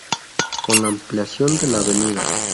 Con la ampliación de la Av.